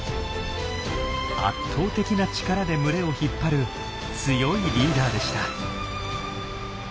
圧倒的な力で群れを引っ張る強いリーダーでした。